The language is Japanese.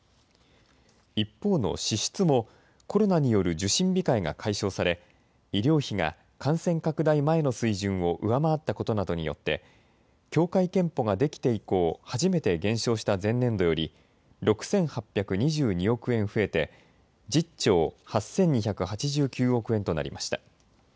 一方の支出もコロナによる受診控えが解消され医療費が感染拡大前の水準を上回ったことなどによって協会けんぽができて以降、初めて減少した前年度より６８２２億円増えて１０兆８２８９億円となりました。